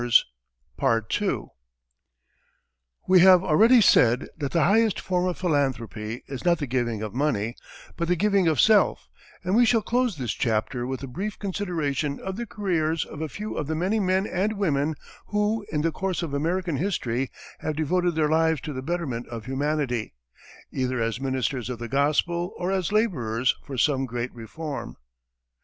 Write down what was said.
We have already said that the highest form of philanthropy is not the giving of money, but the giving of self, and we shall close this chapter with a brief consideration of the careers of a few of the many men and women who, in the course of American history, have devoted their lives to the betterment of humanity, either as ministers of the gospel or as laborers for some great reform.